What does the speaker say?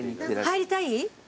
入りたいの？